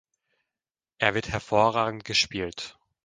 Er wird hervorragend gespielt.